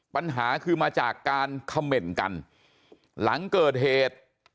ปัญหาคือมาจากการเขม่นกันหลังเกิดเหตุ